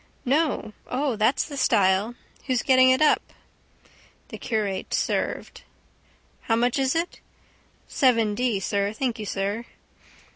—No. O, that's the style. Who's getting it up? The curate served. —How much is that? —Seven d., sir... Thank you, sir.